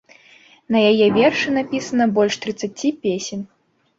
На яе вершы напісана больш трыццаці песень.